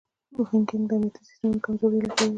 هیکنګ د امنیتي سیسټمونو کمزورۍ لټوي.